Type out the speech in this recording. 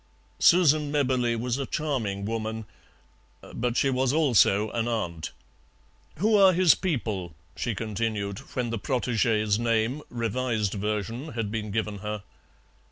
Susan Mebberley was a charming woman, but she was also an aunt. "Who are his people?" she continued, when the protégé's name (revised version) had been given her.